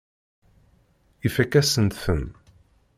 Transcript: Ifakk-asent-ten.